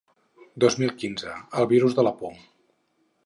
Dos mil quinze: El virus de la por.